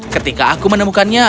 ketika aku menemukannya